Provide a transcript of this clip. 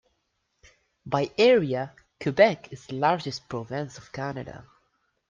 By area, Quebec is the largest province of Canada.